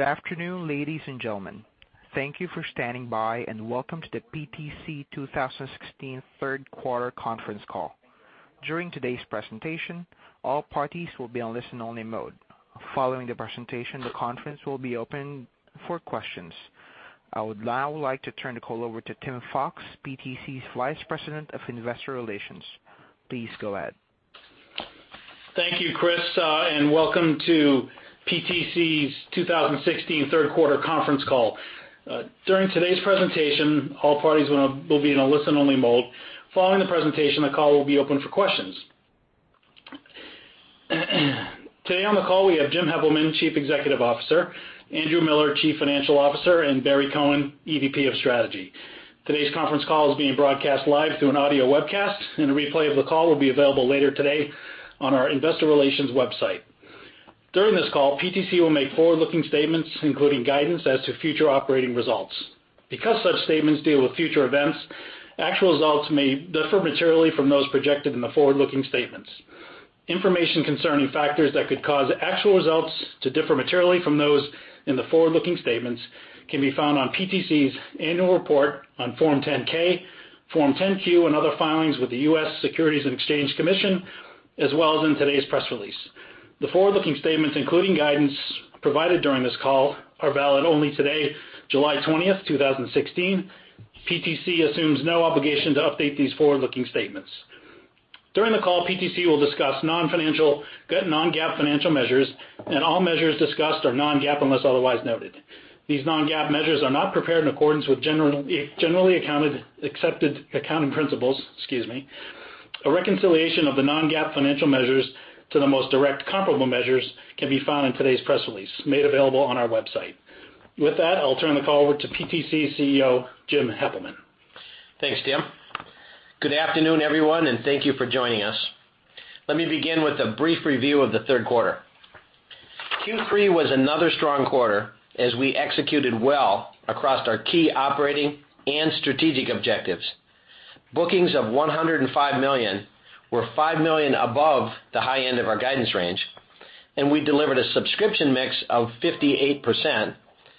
Good afternoon, ladies and gentlemen. Thank you for standing by, and welcome to the PTC 2016 third quarter conference call. During today's presentation, all parties will be on listen-only mode. Following the presentation, the conference will be open for questions. I would now like to turn the call over to Tim Fox, PTC's Vice President of Investor Relations. Please go ahead. Thank you, Chris, and welcome to PTC's 2016 third quarter conference call. During today's presentation, all parties will be in a listen-only mode. Following the presentation, the call will be open for questions. Today on the call, we have Jim Heppelmann, Chief Executive Officer, Andrew Miller, Chief Financial Officer, and Barry Cohen, EVP of Strategy. Today's conference call is being broadcast live through an audio webcast, and a replay of the call will be available later today on our investor relations website. During this call, PTC will make forward-looking statements, including guidance as to future operating results. Because such statements deal with future events, actual results may differ materially from those projected in the forward-looking statements. Information concerning factors that could cause actual results to differ materially from those in the forward-looking statements can be found on PTC's annual report on Form 10-K, Form 10-Q, and other filings with the U.S. Securities and Exchange Commission, as well as in today's press release. The forward-looking statements, including guidance provided during this call, are valid only today, July 20th, 2016. PTC assumes no obligation to update these forward-looking statements. During the call, PTC will discuss non-GAAP financial measures, and all measures discussed are non-GAAP unless otherwise noted. These non-GAAP measures are not prepared in accordance with generally accepted accounting principles. Excuse me. A reconciliation of the non-GAAP financial measures to the most direct comparable measures can be found in today's press release, made available on our website. With that, I'll turn the call over to PTC CEO, Jim Heppelmann. Thanks, Tim. Good afternoon, everyone, and thank you for joining us. Let me begin with a brief review of the third quarter. Q3 was another strong quarter as we executed well across our key operating and strategic objectives. Bookings of $105 million were $5 million above the high end of our guidance range, and we delivered a subscription mix of 58%,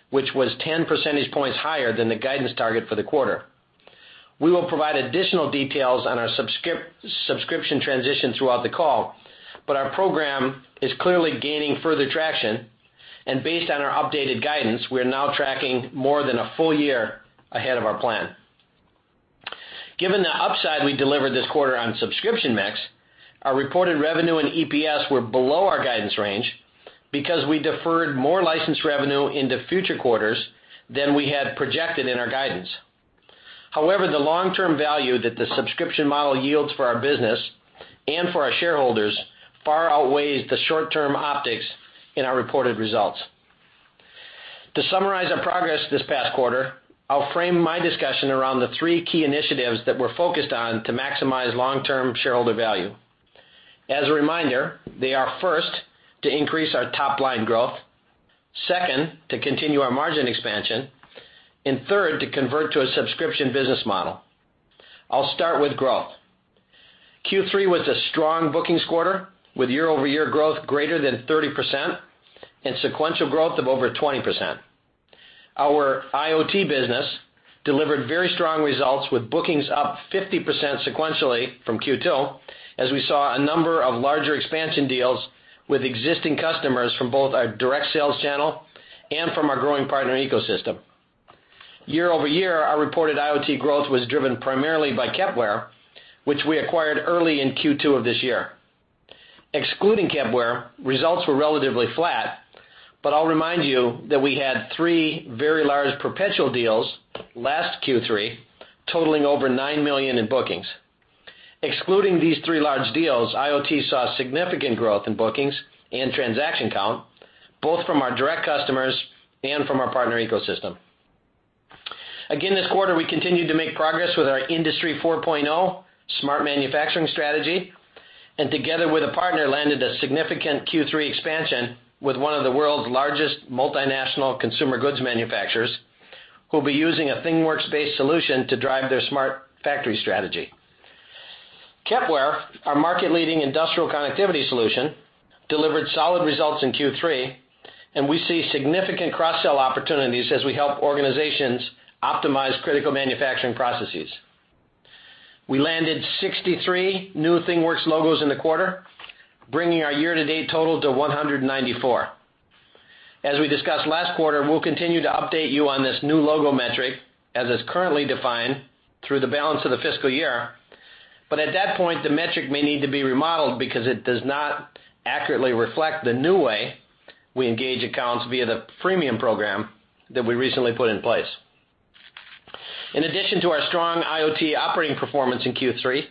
which was 10 percentage points higher than the guidance target for the quarter. We will provide additional details on our subscription transition throughout the call, but our program is clearly gaining further traction. Based on our updated guidance, we are now tracking more than a full year ahead of our plan. Given the upside we delivered this quarter on subscription mix, our reported revenue and EPS were below our guidance range because we deferred more license revenue into future quarters than we had projected in our guidance. The long-term value that the subscription model yields for our business and for our shareholders far outweighs the short-term optics in our reported results. To summarize our progress this past quarter, I'll frame my discussion around the three key initiatives that we're focused on to maximize long-term shareholder value. As a reminder, they are, first, to increase our top-line growth, second, to continue our margin expansion, and third, to convert to a subscription business model. I'll start with growth. Q3 was a strong bookings quarter, with year-over-year growth greater than 30% and sequential growth of over 20%. Our IoT business delivered very strong results, with bookings up 50% sequentially from Q2, as we saw a number of larger expansion deals with existing customers from both our direct sales channel and from our growing partner ecosystem. Year-over-year, our reported IoT growth was driven primarily by Kepware, which we acquired early in Q2 of this year. Excluding Kepware, results were relatively flat, but I'll remind you that we had three very large perpetual deals last Q3, totaling over $9 million in bookings. Excluding these three large deals, IoT saw significant growth in bookings and transaction count, both from our direct customers and from our partner ecosystem. Again, this quarter, we continued to make progress with our Industry 4.0 smart manufacturing strategy, and together with a partner, landed a significant Q3 expansion with one of the world's largest multinational consumer goods manufacturers, who'll be using a ThingWorx-based solution to drive their smart factory strategy. Kepware, our market-leading industrial connectivity solution, delivered solid results in Q3, and we see significant cross-sell opportunities as we help organizations optimize critical manufacturing processes. We landed 63 new ThingWorx logos in the quarter, bringing our year-to-date total to 194. As we discussed last quarter, we'll continue to update you on this new logo metric as it's currently defined through the balance of the fiscal year. At that point, the metric may need to be remodeled because it does not accurately reflect the new way we engage accounts via the freemium program that we recently put in place. In addition to our strong IoT operating performance in Q3,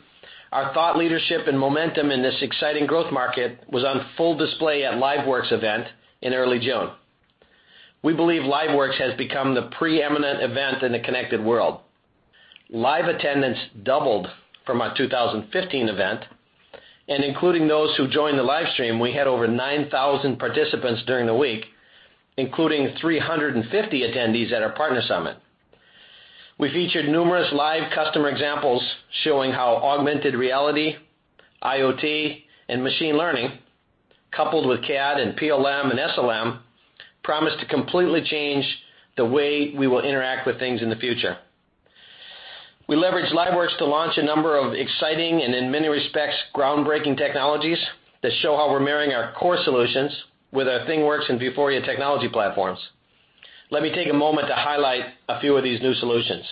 our thought leadership and momentum in this exciting growth market was on full display at LiveWorx event in early June. We believe LiveWorx has become the preeminent event in the connected world. Live attendance doubled from our 2015 event. Including those who joined the live stream, we had over 9,000 participants during the week, including 350 attendees at our partner summit. We featured numerous live customer examples showing how augmented reality, IoT, and machine learning, coupled with CAD and PLM and SLM, promise to completely change the way we will interact with things in the future. We leveraged LiveWorx to launch a number of exciting and in many respects, groundbreaking technologies that show how we're marrying our core solutions with our ThingWorx and Vuforia technology platforms. Let me take a moment to highlight a few of these new solutions.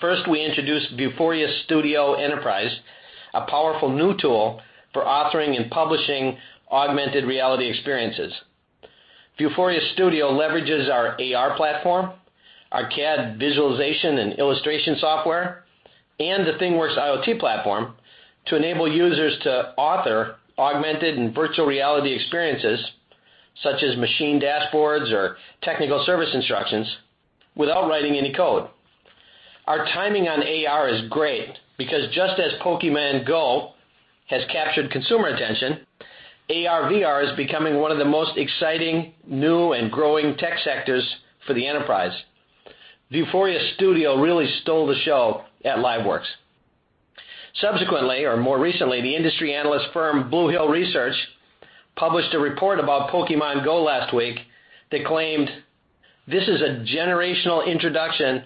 First, we introduced Vuforia Studio Enterprise, a powerful new tool for authoring and publishing augmented reality experiences. Vuforia Studio leverages our AR platform, our CAD visualization and illustration software, and the ThingWorx IoT platform to enable users to author augmented and virtual reality experiences such as machine dashboards or technical service instructions without writing any code. Our timing on AR is great because just as Pokémon GO has captured consumer attention, AR/VR is becoming one of the most exciting new and growing tech sectors for the enterprise. Vuforia Studio really stole the show at LiveWorx. Subsequently, or more recently, the industry analyst firm Blue Hill Research published a report about Pokémon GO last week that claimed, "This is a generational introduction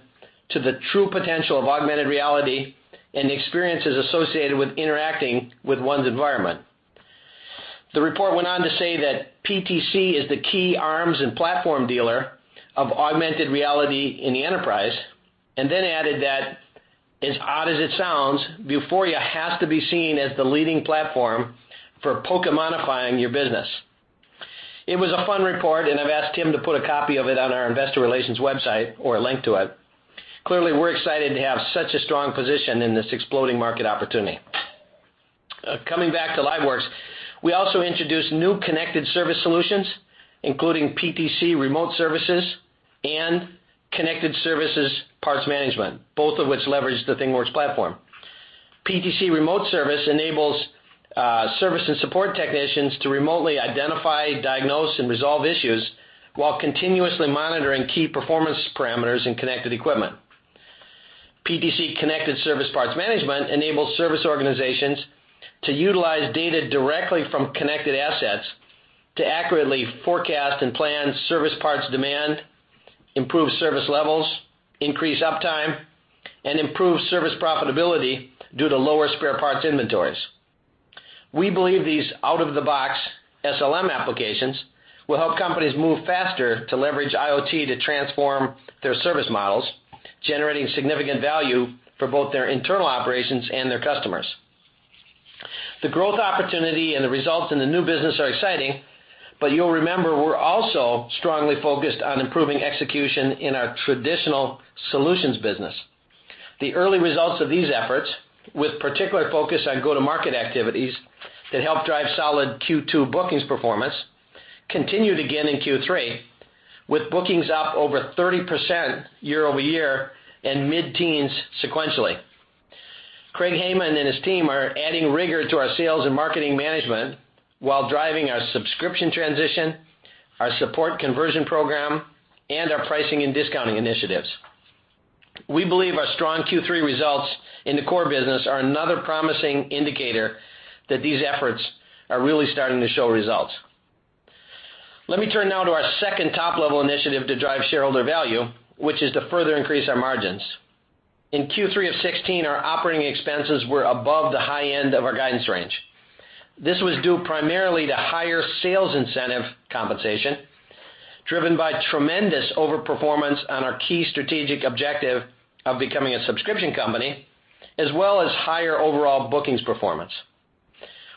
to the true potential of augmented reality and the experiences associated with interacting with one's environment." The report went on to say that PTC is the key arms and platform dealer of augmented reality in the enterprise and then added that, "As odd as it sounds, Vuforia has to be seen as the leading platform for Pokémonifying your business." It was a fun report, and I've asked Tim to put a copy of it on our investor relations website or a link to it. Clearly, we're excited to have such a strong position in this exploding market opportunity. Coming back to LiveWorx, we also introduced new connected service solutions, including PTC Remote Service and Connected Service Parts Management, both of which leverage the ThingWorx platform. PTC Remote Service enables service and support technicians to remotely identify, diagnose, and resolve issues while continuously monitoring key performance parameters in connected equipment. PTC Connected Service Parts Management enables service organizations to utilize data directly from connected assets to accurately forecast and plan service parts demand, improve service levels, increase uptime, and improve service profitability due to lower spare parts inventories. We believe these out-of-the-box SLM applications will help companies move faster to leverage IoT to transform their service models, generating significant value for both their internal operations and their customers. You'll remember we're also strongly focused on improving execution in our traditional solutions business. The early results of these efforts, with particular focus on go-to-market activities that help drive solid Q2 bookings performance, continued again in Q3, with bookings up over 30% year-over-year and mid-teens sequentially. Craig Hayman and his team are adding rigor to our sales and marketing management while driving our subscription transition, our support conversion program, and our pricing and discounting initiatives. We believe our strong Q3 results in the core business are another promising indicator that these efforts are really starting to show results. Let me turn now to our second top-level initiative to drive shareholder value, which is to further increase our margins. In Q3 of 2016, our operating expenses were above the high end of our guidance range. This was due primarily to higher sales incentive compensation driven by tremendous over-performance on our key strategic objective of becoming a subscription company, as well as higher overall bookings performance.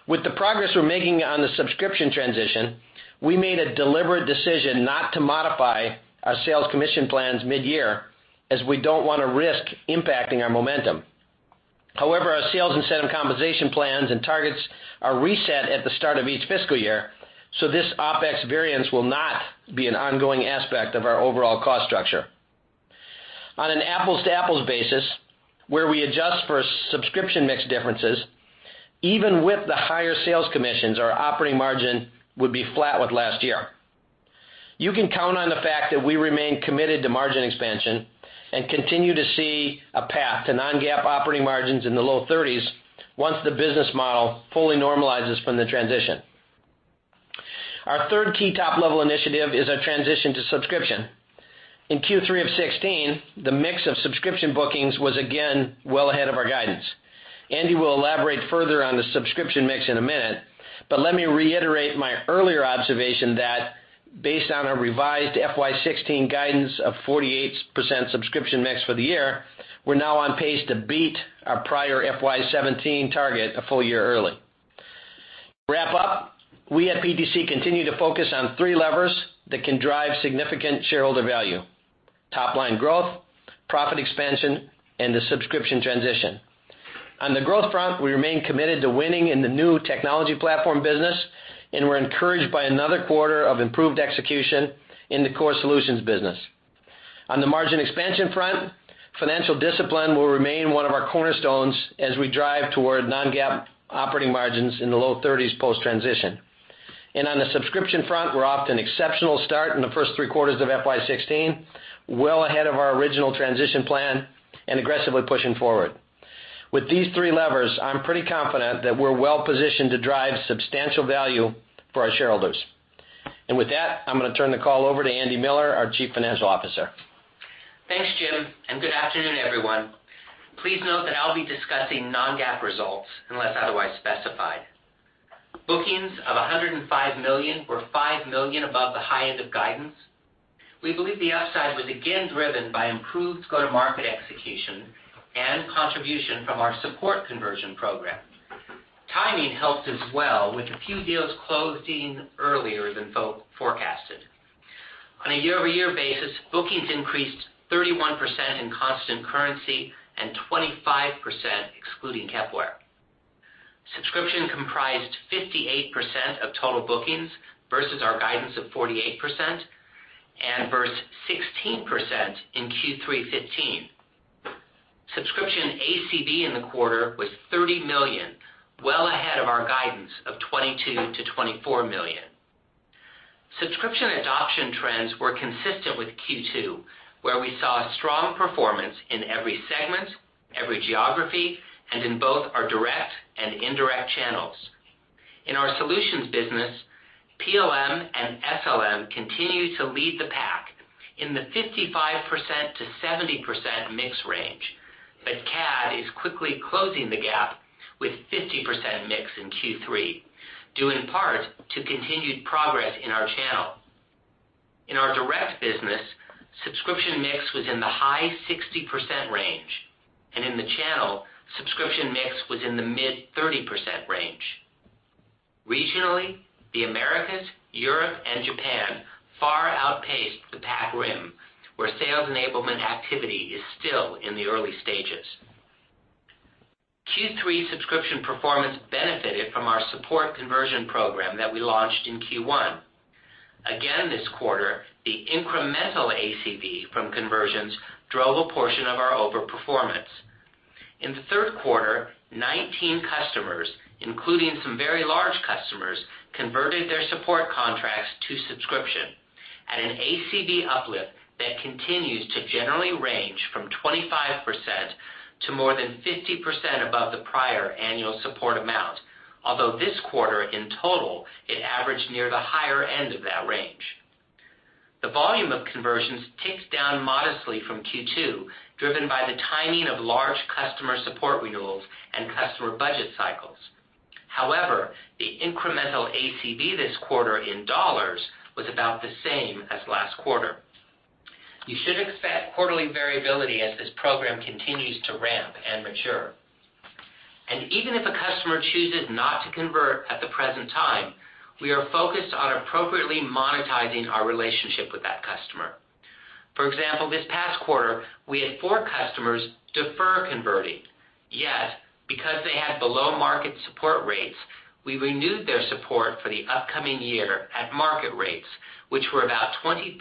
With the progress we're making on the subscription transition, we made a deliberate decision not to modify our sales commission plans mid-year as we don't want to risk impacting our momentum. However, our sales incentive compensation plans and targets are reset at the start of each fiscal year, so this OpEx variance will not be an ongoing aspect of our overall cost structure. On an apples-to-apples basis, where we adjust for subscription mix differences, even with the higher sales commissions, our operating margin would be flat with last year. You can count on the fact that we remain committed to margin expansion and continue to see a path to non-GAAP operating margins in the low 30s once the business model fully normalizes from the transition. Our third key top-level initiative is our transition to subscription. In Q3 of 2016, the mix of subscription bookings was again well ahead of our guidance. Andy will elaborate further on the subscription mix in a minute, but let me reiterate my earlier observation that based on our revised FY 2016 guidance of 48% subscription mix for the year, we're now on pace to beat our prior FY 2017 target a full year early. To wrap up, we at PTC continue to focus on three levers that can drive significant shareholder value: top-line growth, profit expansion, and the subscription transition. On the growth front, we remain committed to winning in the new technology platform business, and we're encouraged by another quarter of improved execution in the core solutions business. On the margin expansion front, financial discipline will remain one of our cornerstones as we drive toward non-GAAP operating margins in the low 30s post-transition. On the subscription front, we're off to an exceptional start in the first three quarters of FY 2016, well ahead of our original transition plan, and aggressively pushing forward. With these three levers, I'm pretty confident that we're well positioned to drive substantial value for our shareholders. With that, I'm going to turn the call over to Andy Miller, our Chief Financial Officer. Thanks, Jim, and good afternoon, everyone. Please note that I'll be discussing non-GAAP results unless otherwise specified. Bookings of $105 million were $5 million above the high end of guidance. We believe the upside was again driven by improved go-to-market execution and contribution from our support conversion program. Timing helped as well with a few deals closing earlier than forecasted. On a year-over-year basis, bookings increased 31% in constant currency and 25% excluding Kepware. Subscription comprised 58% of total bookings versus our guidance of 48%, and versus 16% in Q3 2015. Subscription ACB in the quarter was $30 million, well ahead of our guidance of $22 million-$24 million. Subscription adoption trends were consistent with Q2, where we saw a strong performance in every segment, every geography, and in both our direct and indirect channels. In our solutions business, PLM and SLM continue to lead the pack in the 55%-70% mix range. CAD is quickly closing the gap with 50% mix in Q3, due in part to continued progress in our channel. In our direct business, subscription mix was in the high 60% range, and in the channel, subscription mix was in the mid 30% range. Regionally, the Americas, Europe, and Japan far outpaced the Pac-Rim, where sales enablement activity is still in the early stages. Q3 subscription performance benefited from our support conversion program that we launched in Q1. Again in this quarter, the incremental ACB from conversions drove a portion of our overperformance. In the third quarter, 19 customers, including some very large customers, converted their support contracts to subscription at an ACV uplift that continues to generally range from 25%-50% above the prior annual support amount. Although this quarter, in total, it averaged near the higher end of that range. The volume of conversions ticks down modestly from Q2, driven by the timing of large customer support renewals and customer budget cycles. However, the incremental ACV this quarter in dollars was about the same as last quarter. You should expect quarterly variability as this program continues to ramp and mature. Even if a customer chooses not to convert at the present time, we are focused on appropriately monetizing our relationship with that customer. For example, this past quarter, we had four customers defer converting. Yet, because they had below-market support rates, we renewed their support for the upcoming year at market rates, which were about 25%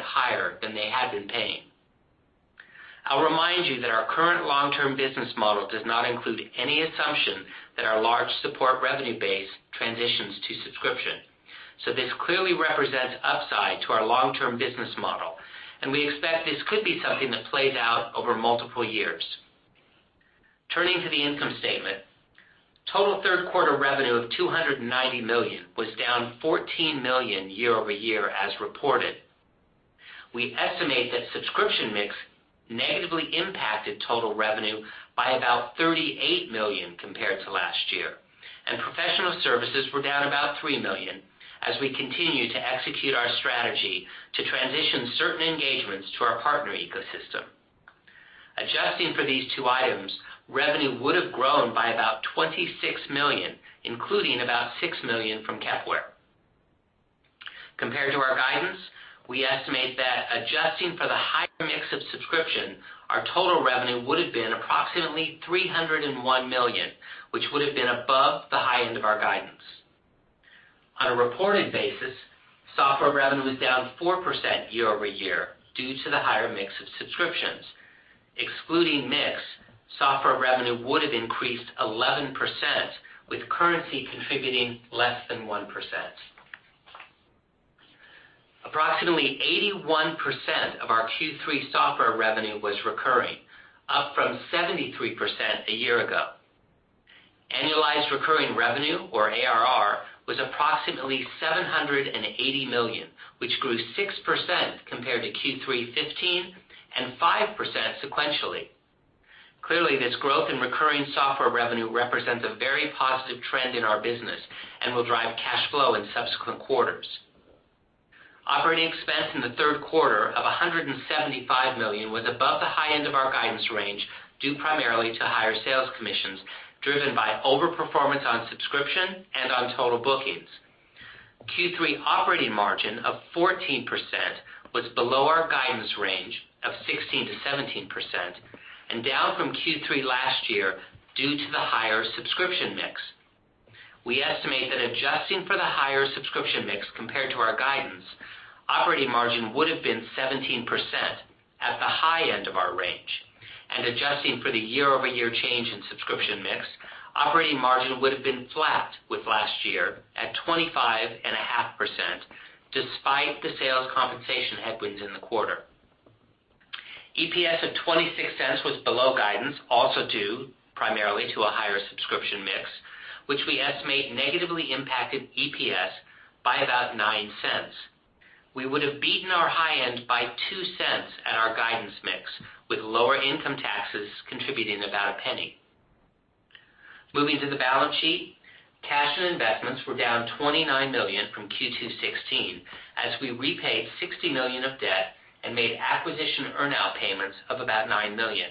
higher than they had been paying. I'll remind you that our current long-term business model does not include any assumption that our large support revenue base transitions to subscription. This clearly represents upside to our long-term business model, and we expect this could be something that plays out over multiple years. Turning to the income statement. Total third quarter revenue of $290 million was down $14 million year-over-year as reported. We estimate that subscription mix negatively impacted total revenue by about $38 million compared to last year. Professional services were down about $3 million as we continue to execute our strategy to transition certain engagements to our partner ecosystem. Adjusting for these two items, revenue would have grown by about $26 million, including about $6 million from Kepware. Compared to our guidance, we estimate that adjusting for the higher mix of subscription, our total revenue would have been approximately $301 million, which would have been above the high end of our guidance. On a reported basis, software revenue was down 4% year-over-year due to the higher mix of subscriptions. Excluding mix, software revenue would have increased 11%, with currency contributing less than 1%. Approximately 81% of our Q3 software revenue was recurring, up from 73% a year ago. Annualized recurring revenue, or ARR, was approximately $780 million, which grew 6% compared to Q3 2015 and 5% sequentially. This growth in recurring software revenue represents a very positive trend in our business and will drive cash flow in subsequent quarters. Operating expense in the third quarter of $175 million was above the high end of our guidance range, due primarily to higher sales commissions driven by overperformance on subscription and on total bookings. Q3 operating margin of 14% was below our guidance range of 16%-17% and down from Q3 last year due to the higher subscription mix. We estimate that adjusting for the higher subscription mix compared to our guidance, operating margin would have been 17% at the high end of our range. Adjusting for the year-over-year change in subscription mix, operating margin would have been flat with last year at 25.5%, despite the sales compensation headwinds in the quarter. EPS of $0.26 was below guidance, also due primarily to a higher subscription mix, which we estimate negatively impacted EPS by about $0.09. We would have beaten our high end by $0.02 at our guidance mix, with lower income taxes contributing about $0.01. Moving to the balance sheet, cash and investments were down $29 million from Q2 2016 as we repaid $60 million of debt and made acquisition earn-out payments of about $9 million.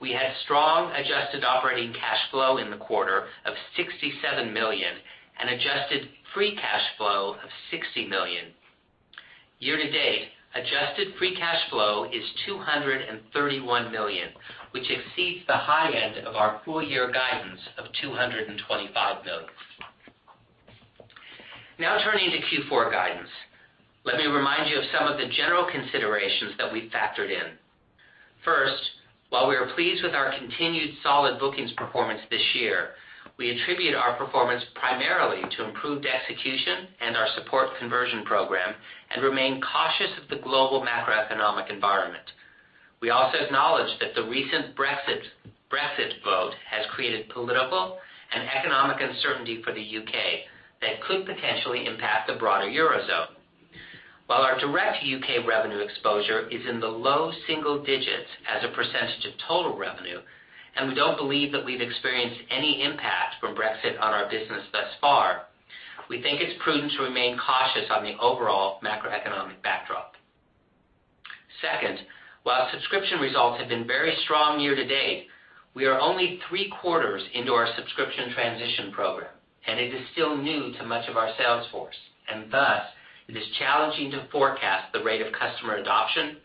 We had strong adjusted operating cash flow in the quarter of $67 million and adjusted free cash flow of $60 million. Year-to-date, adjusted free cash flow is $231 million, which exceeds the high end of our full-year guidance of $225 million. Now turning to Q4 guidance. Let me remind you of some of the general considerations that we factored in. First, while we are pleased with our continued solid bookings performance this year, we attribute our performance primarily to improved execution and our support conversion program and remain cautious of the global macroeconomic environment. We also acknowledge that the recent Brexit vote has created political and economic uncertainty for the U.K. that could potentially impact the broader Eurozone. While our direct U.K. revenue exposure is in the low single digits as a percentage of total revenue, and we don't believe that we've experienced any impact from Brexit on our business thus far, we think it's prudent to remain cautious on the overall macroeconomic backdrop. Second, while subscription results have been very strong year-to-date, we are only three quarters into our subscription transition program, and it is still new to much of our sales force. Thus, it is challenging to forecast the rate of customer adoption,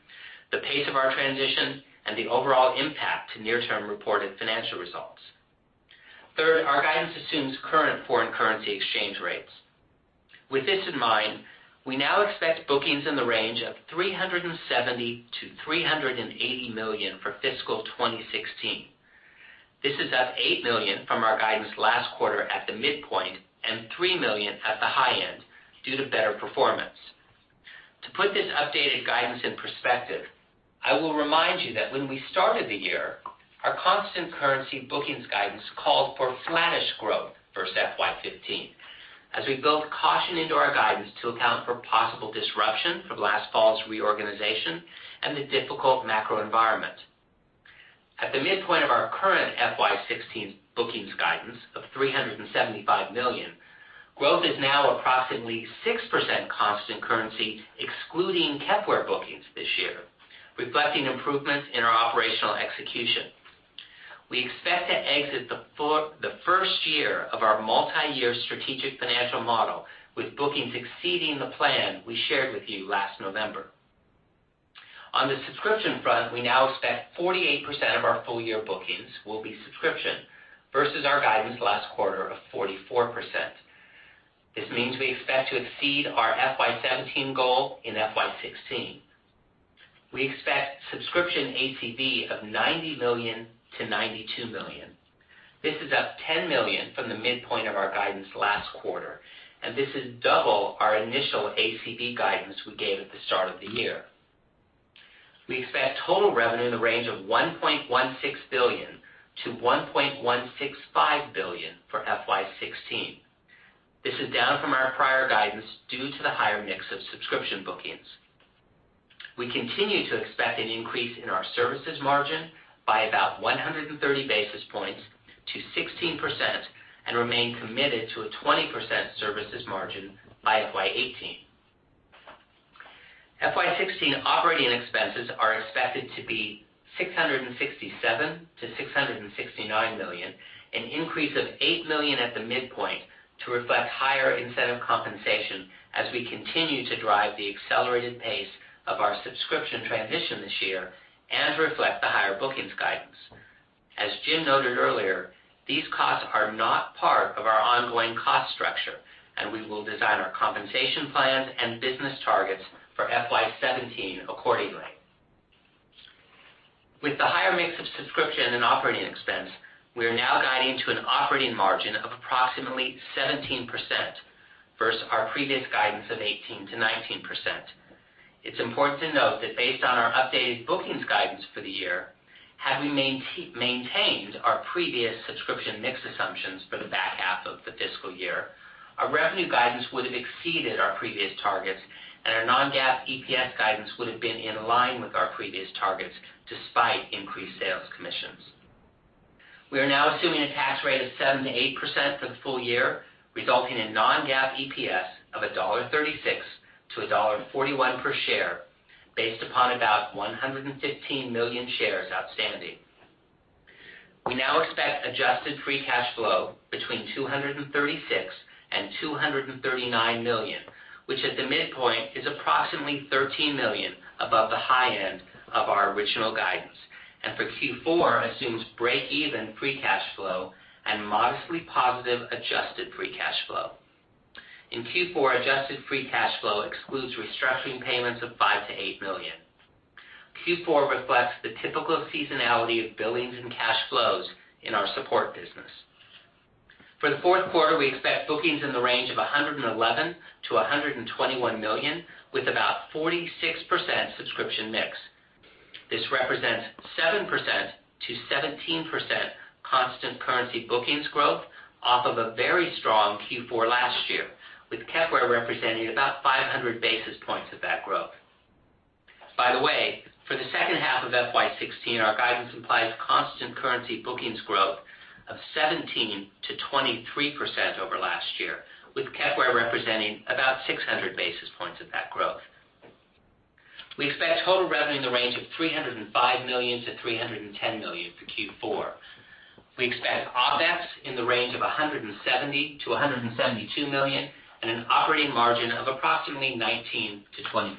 the pace of our transition, and the overall impact to near-term reported financial results. Third, our guidance assumes current foreign currency exchange rates. With this in mind, we now expect bookings in the range of $370 million-$380 million for fiscal 2016. This is up $8 million from our guidance last quarter at the midpoint and $3 million at the high end due to better performance. To put this updated guidance in perspective, I will remind you that when we started the year, our constant currency bookings guidance called for flattish growth versus FY 2015, as we built caution into our guidance to account for possible disruption from last fall's reorganization and the difficult macro environment. At the midpoint of our current FY 2016 bookings guidance of $375 million, growth is now approximately 6% constant currency excluding Kepware bookings this year, reflecting improvements in our operational execution. We expect to exit the first year of our multi-year strategic financial model with bookings exceeding the plan we shared with you last November. On the subscription front, we now expect 48% of our full-year bookings will be subscription versus our guidance last quarter of 44%. This means we expect to exceed our FY 2017 goal in FY 2016. We expect subscription ACV of $90 million-$92 million. This is up $10 million from the midpoint of our guidance last quarter, and this is double our initial ACV guidance we gave at the start of the year. We expect total revenue in the range of $1.16 billion-$1.165 billion for FY 2016. This is down from our prior guidance due to the higher mix of subscription bookings. We continue to expect an increase in our services margin by about 130 basis points to 16% and remain committed to a 20% services margin by FY 2018. FY 2016 operating expenses are expected to be $667 million-$669 million, an increase of $8 million at the midpoint to reflect higher incentive compensation as we continue to drive the accelerated pace of our subscription transition this year and reflect the higher bookings guidance. As Jim noted earlier, these costs are not part of our ongoing cost structure, and we will design our compensation plans and business targets for FY 2017 accordingly. With the higher mix of subscription and operating expense, we are now guiding to an operating margin of approximately 17% versus our previous guidance of 18%-19%. It's important to note that based on our updated bookings guidance for the year, had we maintained our previous subscription mix assumptions for the back half of the fiscal year, our revenue guidance would have exceeded our previous targets, and our non-GAAP EPS guidance would have been in line with our previous targets despite increased sales commissions. We are now assuming a tax rate of 7%-8% for the full year, resulting in non-GAAP EPS of $1.36-$1.41 per share based upon about 115 million shares outstanding. We now expect adjusted free cash flow between $236 million and $239 million, which at the midpoint is approximately $13 million above the high end of our original guidance. For Q4 assumes breakeven free cash flow and modestly positive adjusted free cash flow. In Q4, adjusted free cash flow excludes restructuring payments of $5 million-$8 million. Q4 reflects the typical seasonality of billings and cash flows in our support business. For the fourth quarter, we expect bookings in the range of $111 million-$121 million, with about 46% subscription mix. This represents 7%-17% constant currency bookings growth off of a very strong Q4 last year, with Kepware representing about 500 basis points of that growth. By the way, for the second half of FY 2016, our guidance implies constant currency bookings growth of 17%-23% over last year, with Kepware representing about 600 basis points of that growth. We expect total revenue in the range of $305 million-$310 million for Q4. We expect OpEx in the range of $170 million-$172 million, and an operating margin of approximately 19%-20%.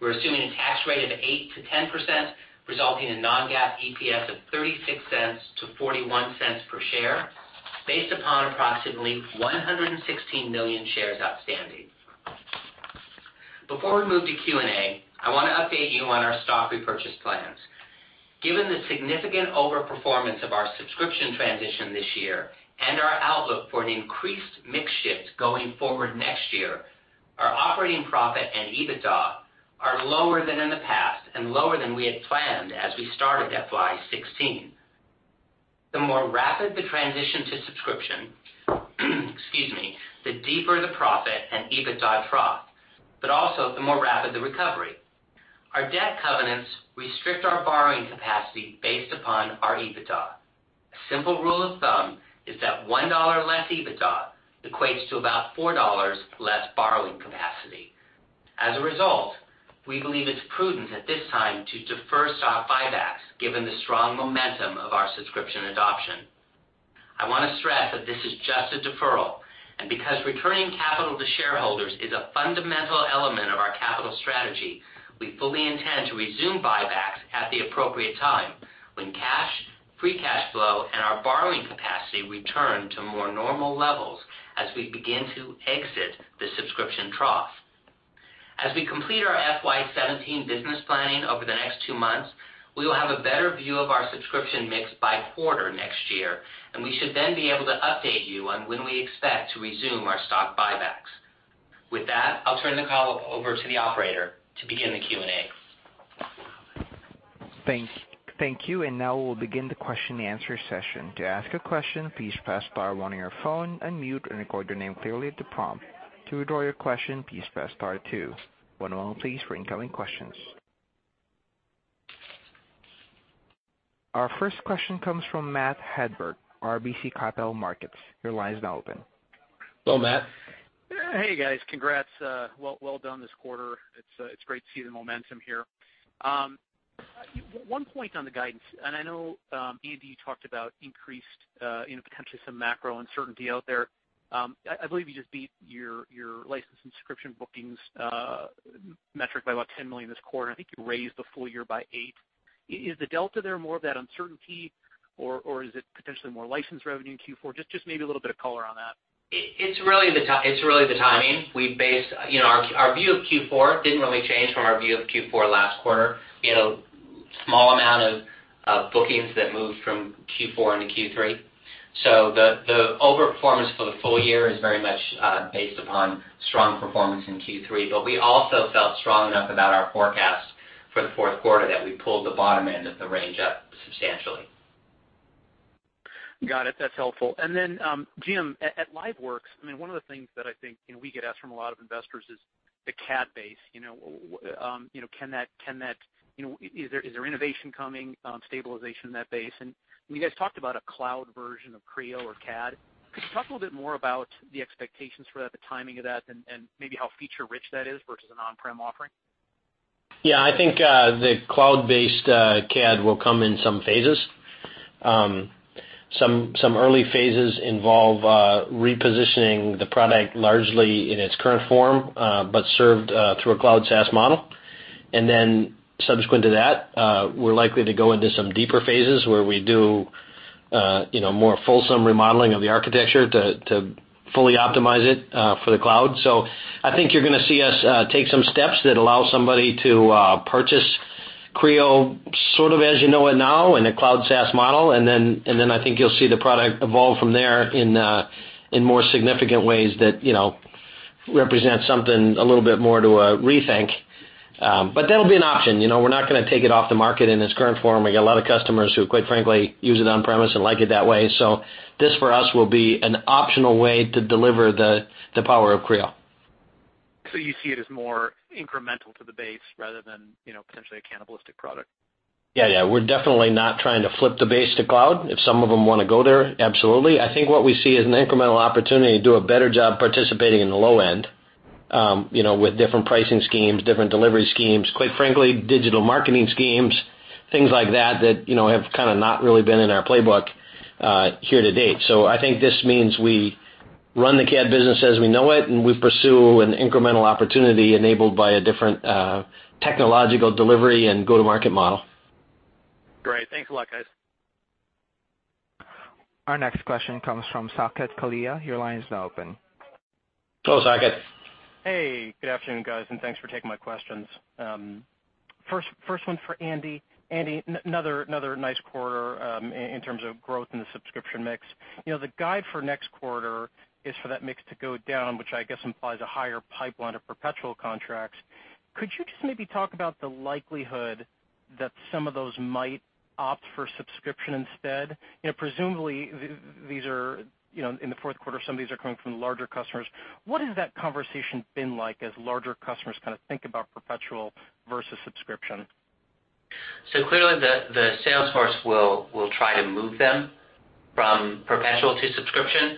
We're assuming a tax rate of 8%-10%, resulting in non-GAAP EPS of $0.36-$0.41 per share, based upon approximately 116 million shares outstanding. Before we move to Q&A, I want to update you on our stock repurchase plans. Given the significant over-performance of our subscription transition this year and our outlook for an increased mix shift going forward next year, our operating profit and EBITDA are lower than in the past and lower than we had planned as we started FY 2016. The more rapid the transition to subscription excuse me, the deeper the profit and EBITDA trough, but also the more rapid the recovery. Our debt covenants restrict our borrowing capacity based upon our EBITDA. A simple rule of thumb is that $1 less EBITDA equates to about $4 less borrowing capacity. As a result, we believe it's prudent at this time to defer stock buybacks given the strong momentum of our subscription adoption. I want to stress that this is just a deferral. Because returning capital to shareholders is a fundamental element of our capital strategy, we fully intend to resume buybacks at the appropriate time when cash, free cash flow, and our borrowing capacity return to more normal levels as we begin to exit the subscription trough. As we complete our FY 2017 business planning over the next two months, we will have a better view of our subscription mix by quarter next year. We should then be able to update you on when we expect to resume our stock buybacks. With that, I'll turn the call over to the operator to begin the Q&A. Thank you. Now we'll begin the question and answer session. To ask a question, please press star one on your phone, unmute, and record your name clearly at the prompt. To withdraw your question, please press star two. One moment please, for incoming questions. Our first question comes from Matthew Hedberg, RBC Capital Markets. Your line is now open. Hello, Matt. Hey, guys. Congrats. Well done this quarter. It's great to see the momentum here. One point on the guidance. I know, Andy, you talked about increased potentially some macro uncertainty out there. I believe you just beat your license and subscription bookings metric by about $10 million this quarter. I think you raised the full year by $8 million. Is the delta there more of that uncertainty, or is it potentially more license revenue in Q4? Just maybe a little bit of color on that. It's really the timing. Our view of Q4 didn't really change from our view of Q4 last quarter. Small amount of bookings that moved from Q4 into Q3. The overperformance for the full year is very much based upon strong performance in Q3. We also felt strong enough about our forecast for the fourth quarter that we pulled the bottom end of the range up substantially. Got it. That's helpful. Then, Jim, at LiveWorx, one of the things that I think we get asked from a lot of investors is the CAD base. Is there innovation coming, stabilization in that base? You guys talked about a cloud version of Creo or CAD. Could you talk a little bit more about the expectations for that, the timing of that, and maybe how feature-rich that is versus an on-prem offering? Yeah. I think the cloud-based CAD will come in some phases. Some early phases involve repositioning the product largely in its current form, but served through a cloud SaaS model. Then subsequent to that, we're likely to go into some deeper phases where we do more fulsome remodeling of the architecture to fully optimize it for the cloud. I think you're going to see us take some steps that allow somebody to purchase Creo, sort of as you know it now, in a cloud SaaS model. Then I think you'll see the product evolve from there in more significant ways that represent something a little bit more to a rethink. That'll be an option. We're not going to take it off the market in its current form. We get a lot of customers who, quite frankly, use it on-premise and like it that way. This for us will be an optional way to deliver the power of Creo. You see it as more incremental to the base rather than potentially a cannibalistic product? Yeah. We're definitely not trying to flip the base to cloud. If some of them want to go there, absolutely. I think what we see is an incremental opportunity to do a better job participating in the low end with different pricing schemes, different delivery schemes, quite frankly, digital marketing schemes, things like that have kind of not really been in our playbook here to date. I think this means we run the CAD business as we know it, and we pursue an incremental opportunity enabled by a different technological delivery and go-to-market model. Great. Thanks a lot, guys. Our next question comes from Saket Kalia. Your line is now open. Hello, Saket. Hey, good afternoon, guys, and thanks for taking my questions. First one for Andy. Andy, another nice quarter in terms of growth in the subscription mix. The guide for next quarter is for that mix to go down, which I guess implies a higher pipeline of perpetual contracts. Could you just maybe talk about the likelihood that some of those might opt for subscription instead? Presumably, in the fourth quarter, some of these are coming from larger customers. What has that conversation been like as larger customers think about perpetual versus subscription? Clearly, the sales force will try to move them from perpetual to subscription.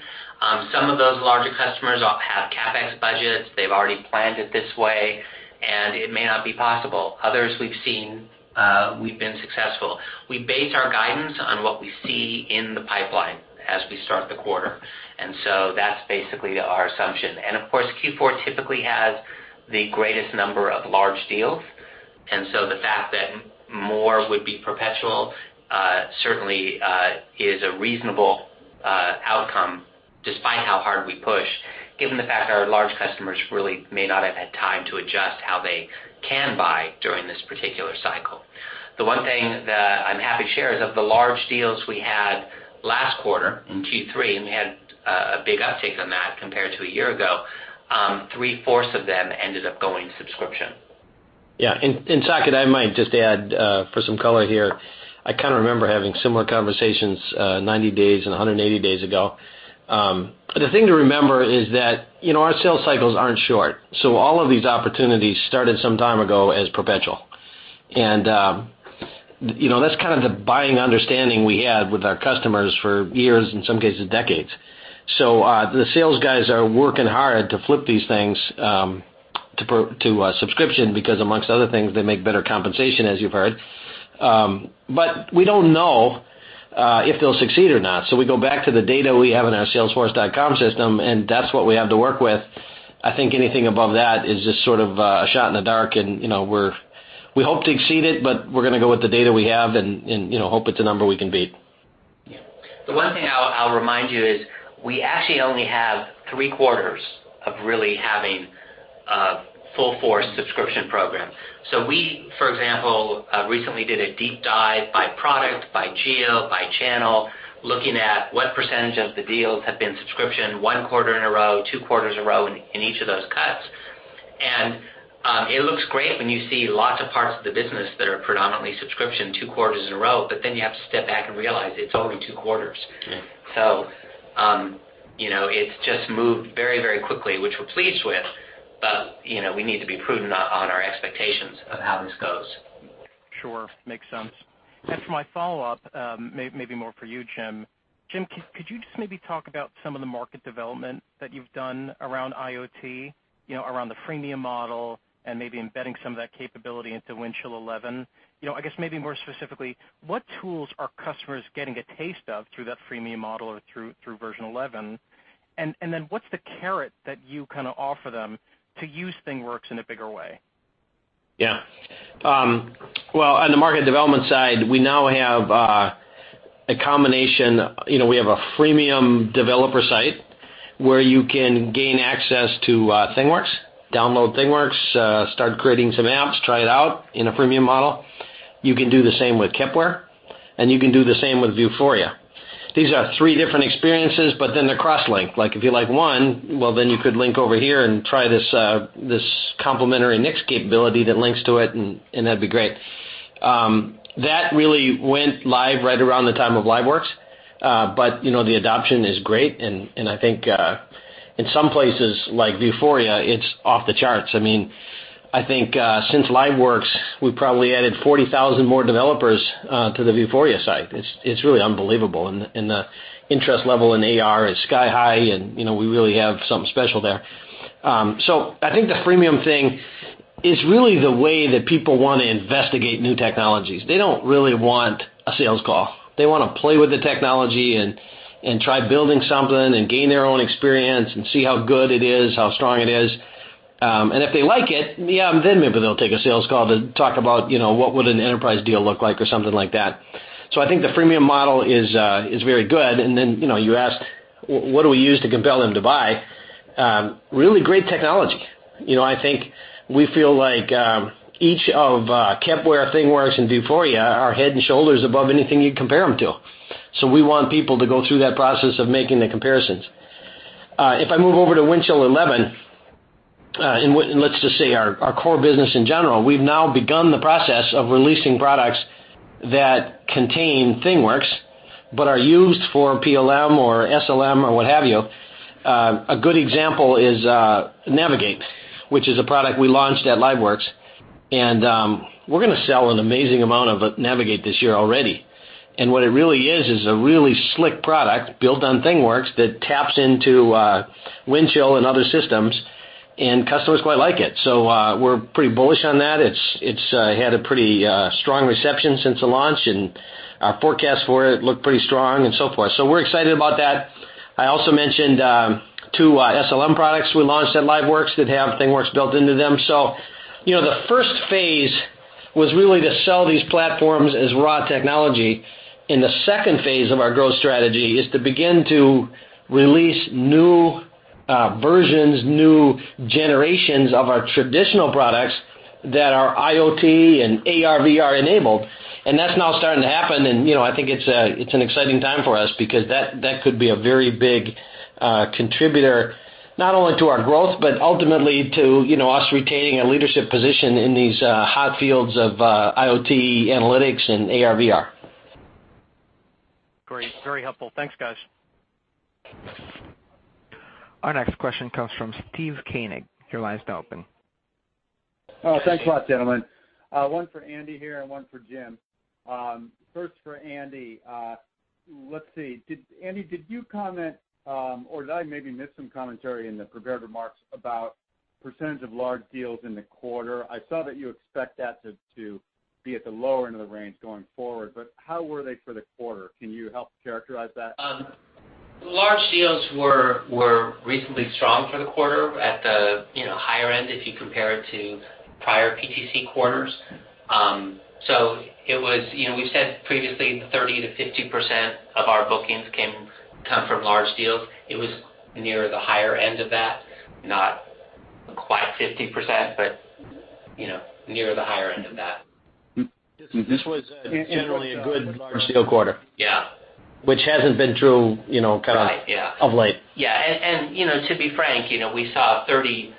Some of those larger customers have CapEx budgets. They've already planned it this way, and it may not be possible. Others we've seen, we've been successful. We base our guidance on what we see in the pipeline as we start the quarter, and so that's basically our assumption. Of course, Q4 typically has the greatest number of large deals, and so the fact that more would be perpetual, certainly, is a reasonable outcome, despite how hard we push, given the fact our large customers really may not have had time to adjust how they can buy during this particular cycle. The one thing that I'm happy to share is of the large deals we had last quarter in Q3, and we had a big uptake on that compared to a year ago, three-fourths of them ended up going subscription. Saket, I might just add, for some color here, I remember having similar conversations 90 days and 180 days ago. The thing to remember is that our sales cycles aren't short. All of these opportunities started some time ago as perpetual. That's kind of the buying understanding we had with our customers for years, in some cases, decades. The sales guys are working hard to flip these things to a subscription because, amongst other things, they make better compensation, as you've heard. We don't know if they'll succeed or not. We go back to the data we have in our salesforce.com system, and that's what we have to work with. I think anything above that is just sort of a shot in the dark and we hope to exceed it. We're going to go with the data we have and hope it's a number we can beat. The one thing I'll remind you is we actually only have 3 quarters of really having a full force subscription program. We, for example, recently did a deep dive by product, by geo, by channel, looking at what percentage of the deals have been subscription 1 quarter in a row, 2 quarters in a row, in each of those cuts. It looks great when you see lots of parts of the business that are predominantly subscription 2 quarters in a row. You have to step back and realize it's only 2 quarters. Yeah. It's just moved very quickly, which we're pleased with. We need to be prudent on our expectations of how this goes. Sure. Makes sense. For my follow-up, maybe more for you, Jim. Jim, could you just maybe talk about some of the market development that you've done around IoT, around the freemium model, and maybe embedding some of that capability into Windchill 11? I guess maybe more specifically, what tools are customers getting a taste of through that freemium model or through version 11? Then what's the carrot that you offer them to use ThingWorx in a bigger way? Yeah. Well, on the market development side, we now have a combination. We have a freemium developer site where you can gain access to ThingWorx, download ThingWorx, start creating some apps, try it out in a freemium model. You can do the same with Kepware, and you can do the same with Vuforia. These are three different experiences, they're cross-linked. Like if you like one, well, you could link over here and try this complementary next capability that links to it, that'd be great. That really went live right around the time of LiveWorx. The adoption is great, I think, in some places like Vuforia, it's off the charts. I think, since LiveWorx, we've probably added 40,000 more developers to the Vuforia site. It's really unbelievable. The interest level in AR is sky-high, we really have something special there. I think the freemium thing is really the way that people want to investigate new technologies. They don't really want a sales call. They want to play with the technology and try building something and gain their own experience and see how good it is, how strong it is. If they like it, yeah, maybe they'll take a sales call to talk about what would an enterprise deal look like or something like that. I think the freemium model is very good. You asked, what do we use to compel them to buy? Really great technology. I think we feel like each of Kepware, ThingWorx, and Vuforia are head and shoulders above anything you'd compare them to. We want people to go through that process of making the comparisons. If I move over to Windchill 11, let's just say our core business in general, we've now begun the process of releasing products that contain ThingWorx but are used for PLM or SLM or what have you. A good example is Navigate, which is a product we launched at LiveWorx. We're going to sell an amazing amount of Navigate this year already. What it really is a really slick product built on ThingWorx that taps into Windchill and other systems, customers quite like it. We're pretty bullish on that. It's had a pretty strong reception since the launch, our forecast for it looked pretty strong and so forth. We're excited about that. I also mentioned- Two SLM products we launched at LiveWorx that have ThingWorx built into them. The first phase was really to sell these platforms as raw technology. The second phase of our growth strategy is to begin to release new versions, new generations of our traditional products that are IoT and AR/VR enabled. That's now starting to happen, and I think it's an exciting time for us because that could be a very big contributor, not only to our growth, but ultimately to us retaining a leadership position in these hot fields of IoT analytics and AR/VR. Great. Very helpful. Thanks, guys. Our next question comes from Steve Koenig. Your line's now open. Thanks a lot, gentlemen. One for Andy here and one for Jim. First for Andy. Let's see. Andy, did you comment, or did I maybe miss some commentary in the prepared remarks about percentage of large deals in the quarter? I saw that you expect that to be at the lower end of the range going forward, but how were they for the quarter? Can you help characterize that? Large deals were recently strong for the quarter at the higher end if you compare it to prior PTC quarters. We said previously 30%-50% of our bookings come from large deals. It was near the higher end of that, not quite 50%, but near the higher end of that. This was generally a good large deal quarter. Yeah. Which hasn't been true. Right. Yeah. of late. Yeah. To be frank, we saw 31%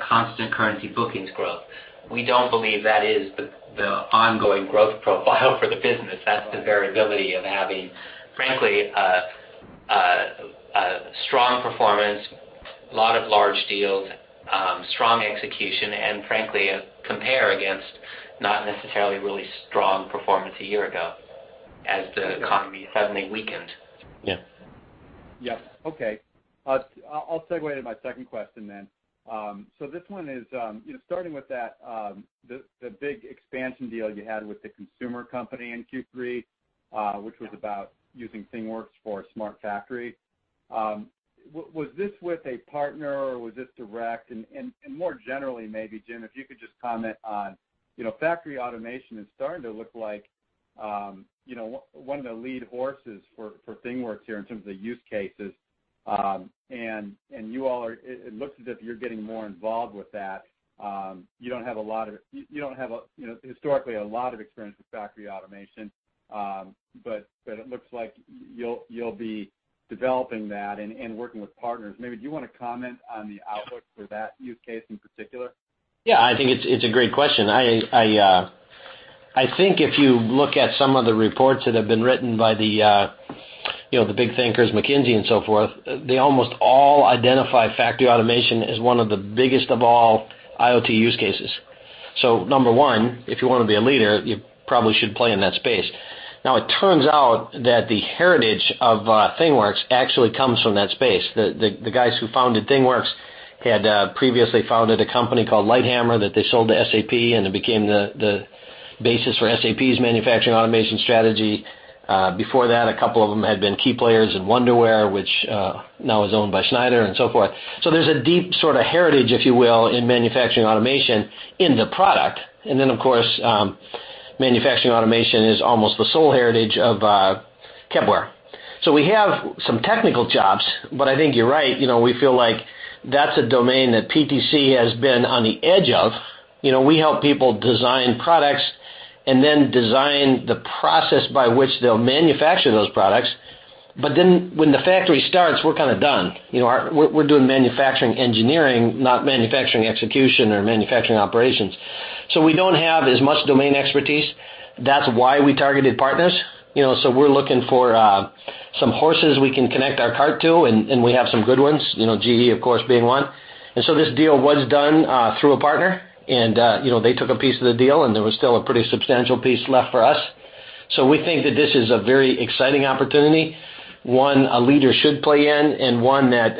constant currency bookings growth. We don't believe that is the ongoing growth profile for the business. That's the variability of having, frankly, a strong performance, a lot of large deals, strong execution, and frankly, a compare against not necessarily really strong performance a year ago as the economy suddenly weakened. Yeah. Yeah. Okay. I'll segue to my second question then. This one is starting with the big expansion deal you had with the consumer company in Q3, which was about using ThingWorx for a smart factory. Was this with a partner or was this direct? More generally, maybe Jim, if you could just comment on factory automation is starting to look like one of the lead horses for ThingWorx here in terms of the use cases. It looks as if you're getting more involved with that. You don't have, historically, a lot of experience with factory automation, but it looks like you'll be developing that and working with partners. Maybe do you want to comment on the outlook for that use case in particular? Yeah, I think it's a great question. I think if you look at some of the reports that have been written by the big thinkers, McKinsey and so forth, they almost all identify factory automation as one of the biggest of all IoT use cases. Number one, if you want to be a leader, you probably should play in that space. Now, it turns out that the heritage of ThingWorx actually comes from that space. The guys who founded ThingWorx had previously founded a company called Lighthammer that they sold to SAP, and it became the basis for SAP's manufacturing automation strategy. Before that, a couple of them had been key players in Wonderware, which now is owned by Schneider, and so forth. There's a deep sort of heritage, if you will, in manufacturing automation in the product. Of course, manufacturing automation is almost the sole heritage of Kepware. We have some technical jobs, but I think you're right. We feel like that's a domain that PTC has been on the edge of. We help people design products and then design the process by which they'll manufacture those products. When the factory starts, we're kind of done. We're doing manufacturing engineering, not manufacturing execution or manufacturing operations. We don't have as much domain expertise. That's why we targeted partners. We're looking for some horses we can connect our cart to, and we have some good ones, GE, of course, being one. This deal was done through a partner, and they took a piece of the deal, and there was still a pretty substantial piece left for us. We think that this is a very exciting opportunity, one a leader should play in, and one that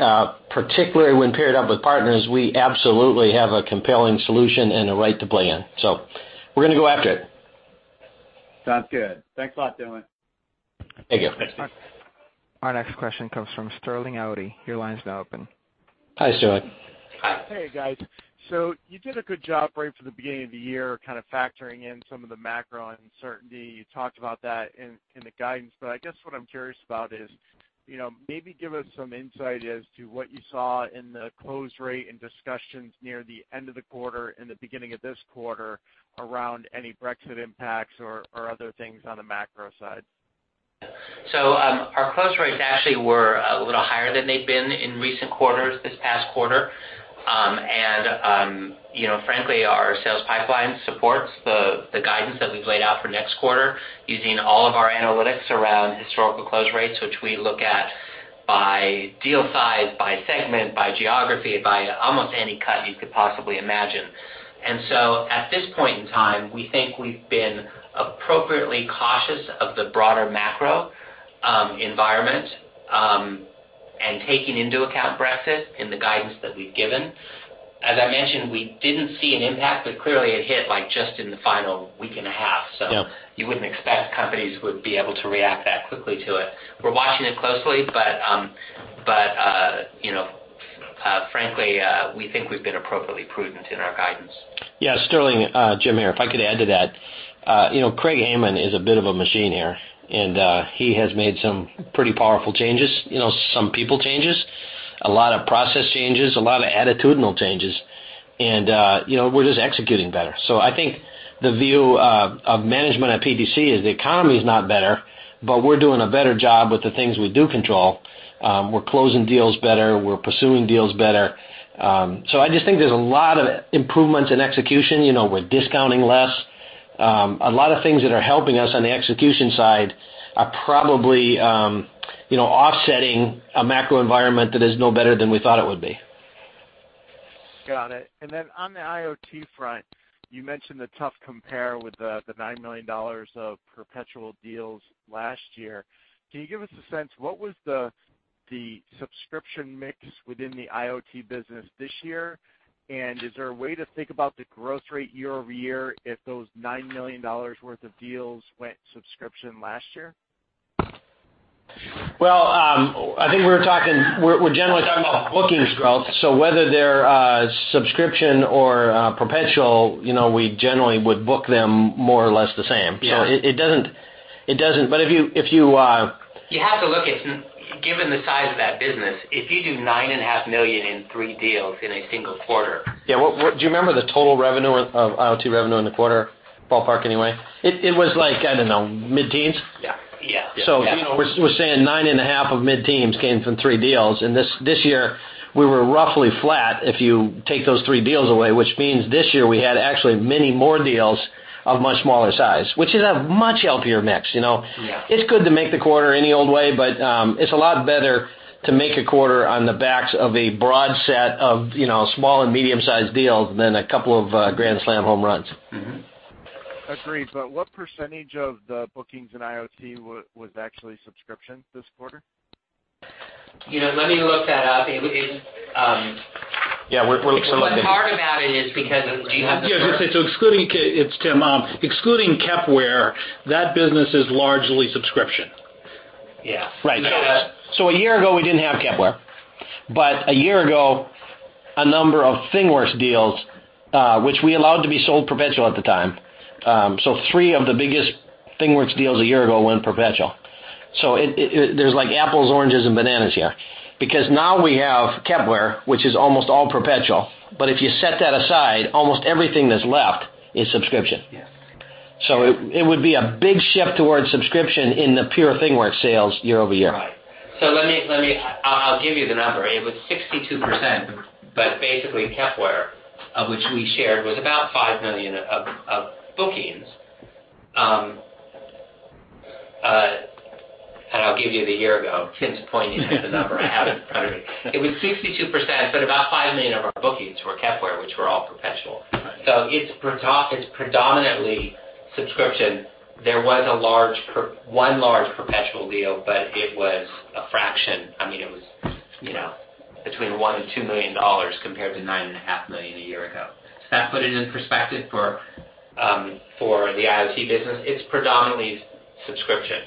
particularly when paired up with partners, we absolutely have a compelling solution and a right to play in. We're going to go after it. Sounds good. Thanks a lot, gentlemen. Thank you. Our next question comes from Sterling Auty. Your line is now open. Hi, Sterling. Hi. Hi. Hey, guys. You did a good job right from the beginning of the year, kind of factoring in some of the macro uncertainty. You talked about that in the guidance, I guess what I'm curious about is maybe give us some insight as to what you saw in the close rate and discussions near the end of the quarter and the beginning of this quarter around any Brexit impacts or other things on the macro side. Our close rates actually were a little higher than they've been in recent quarters this past quarter. Frankly, our sales pipeline supports the guidance that we've laid out for next quarter using all of our analytics around historical close rates, which we look at by deal size, by segment, by geography, by almost any cut you could possibly imagine. At this point in time, we think we've been appropriately cautious of the broader macro environment, and taking into account Brexit in the guidance that we've given. As I mentioned, we didn't see an impact, clearly it hit just in the final week and a half. Yeah. You wouldn't expect companies would be able to react that quickly to it. We're watching it closely, but frankly, we think we've been appropriately prudent in our guidance. Yeah, Sterling. Jim here, if I could add to that. Craig Hayman is a bit of a machine here, and he has made some pretty powerful changes. Some people changes, a lot of process changes, a lot of attitudinal changes, and we're just executing better. I think the view of management at PTC is the economy's not better, but we're doing a better job with the things we do control. We're closing deals better, we're pursuing deals better. I just think there's a lot of improvements in execution. We're discounting less. A lot of things that are helping us on the execution side are probably offsetting a macro environment that is no better than we thought it would be. Got it. Then on the IoT front, you mentioned the tough compare with the $9 million of perpetual deals last year. Can you give us a sense, what was the subscription mix within the IoT business this year? Is there a way to think about the growth rate year-over-year if those $9 million worth of deals went subscription last year? Well, I think we're generally talking about bookings growth. Whether they're subscription or perpetual, we generally would book them more or less the same. Yeah. But if you- You have to look at, given the size of that business, if you do $nine and a half million in three deals in a single quarter. Yeah. Do you remember the total revenue of IoT revenue in the quarter, ballpark anyway? It was like, I don't know, mid-teens. Yeah. We're saying $nine and a half of mid-teens came from three deals. This year we were roughly flat, if you take those three deals away, which means this year we had actually many more deals of much smaller size, which is a much healthier mix. Yeah. It's good to make the quarter any old way, it's a lot better to make a quarter on the backs of a broad set of small and medium-sized deals than a couple of grand slam home runs. Mm-hmm. Agreed. What percentage of the bookings in IoT was actually subscription this quarter? Let me look that up. Yeah. We're still looking. What's hard about it is because you have the- Yeah. It's Tim. Excluding Kepware, that business is largely subscription. Yeah. Right. A year ago, we didn't have Kepware. A year ago, a number of ThingWorx deals, which we allowed to be sold perpetual at the time. Three of the biggest ThingWorx deals a year ago went perpetual. There's like apples, oranges, and bananas here. Now we have Kepware, which is almost all perpetual. If you set that aside, almost everything that's left is subscription. Yes. It would be a big shift towards subscription in the pure ThingWorx sales year-over-year. I'll give you the number. It was 62%, but basically Kepware, of which we shared, was about $5 million of bookings. I'll give you the year ago since pointing at the number I have in front of me. It was 62%, but about $5 million of our bookings were Kepware, which were all perpetual. Right. It's predominantly subscription. There was one large perpetual deal, but it was a fraction. It was between $1 million and $2 million compared to $9.5 million a year ago. Does that put it in perspective for the IoT business? It's predominantly subscription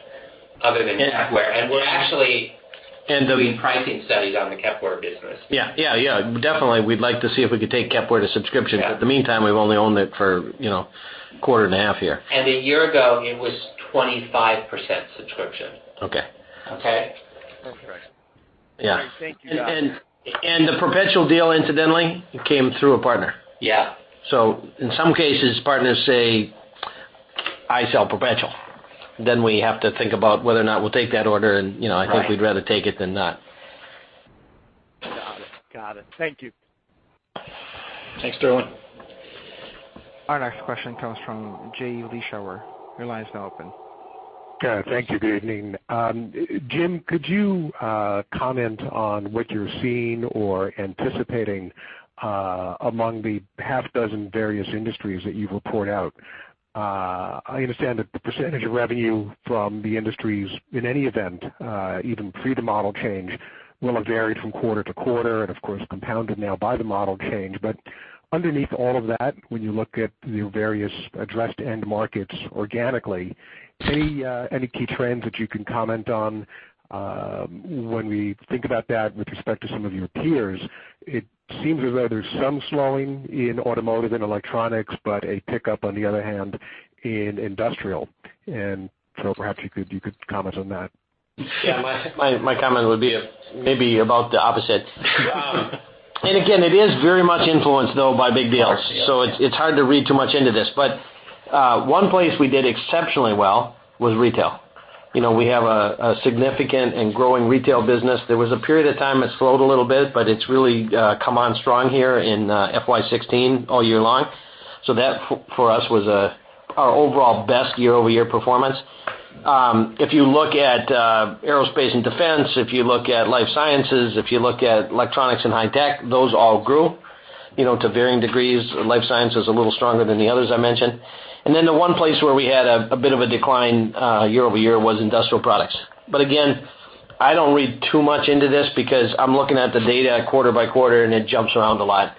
other than Kepware. We're actually- The- doing pricing studies on the Kepware business. Yeah. Definitely. We'd like to see if we could take Kepware to subscription. Yeah. In the meantime, we've only owned it for a quarter and a half here. A year ago it was 25% subscription. Okay. Okay? Okay. Yeah. All right. Thank you, guys. The perpetual deal, incidentally, came through a partner. Yeah. In some cases, partners say, "I sell perpetual." We have to think about whether or not we'll take that order. Right I think we'd rather take it than not. Got it. Thank you. Thanks, Sterling. Our next question comes from Jay Vleeschhouwer. Your line is now open. Thank you. Good evening. Jim, could you comment on what you're seeing or anticipating among the half dozen various industries that you've report out? I understand that the percentage of revenue from the industries, in any event, even pre the model change, will have varied from quarter-to-quarter and of course compounded now by the model change. Underneath all of that, when you look at your various addressed end markets organically, any key trends that you can comment on? When we think about that with respect to some of your peers, it seems as though there's some slowing in automotive and electronics, but a pickup on the other hand in industrial. Perhaps you could comment on that. Yeah. My comment would be maybe about the opposite. Again, it is very much influenced though by big deals. Large deals. It's hard to read too much into this. One place we did exceptionally well was retail. We have a significant and growing retail business. There was a period of time it slowed a little bit, but it's really come on strong here in FY 2016 all year long. That for us was our overall best year-over-year performance. If you look at aerospace and defense, if you look at life sciences, if you look at electronics and high tech, those all grew to varying degrees. Life science is a little stronger than the others I mentioned. The one place where we had a bit of a decline year-over-year was industrial products. Again, I don't read too much into this because I'm looking at the data quarter-by-quarter, and it jumps around a lot.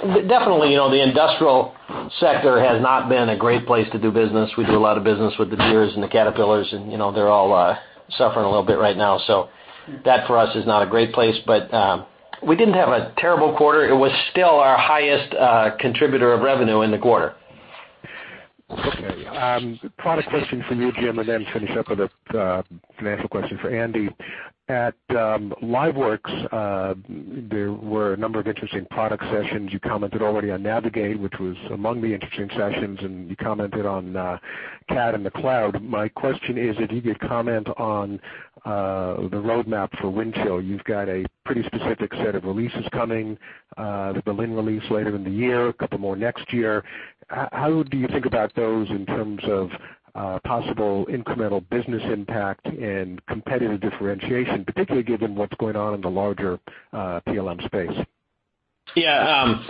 Definitely, the industrial sector has not been a great place to do business. We do a lot of business with the Deeres and the Caterpillars, and they're all suffering a little bit right now. That for us is not a great place. We didn't have a terrible quarter. It was still our highest contributor of revenue in the quarter. Okay. Product question for you, Jim, and then finish up with a financial question for Andy. At LiveWorx, there were a number of interesting product sessions. You commented already on Navigate, which was among the interesting sessions, and you commented on CAD in the cloud. My question is if you could comment on the roadmap for Windchill. You've got a pretty specific set of releases coming, the Berlin release later in the year, a couple more next year. How do you think about those in terms of possible incremental business impact and competitive differentiation, particularly given what's going on in the larger PLM space? Yeah.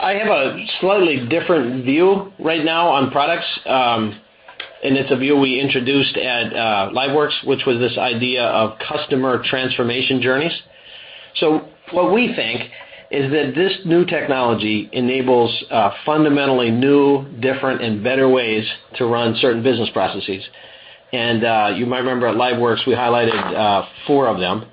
I have a slightly different view right now on products, and it's a view we introduced at LiveWorx, which was this idea of customer transformation journeys. What we think is that this new technology enables fundamentally new, different, and better ways to run certain business processes. You might remember at LiveWorx, we highlighted four of them.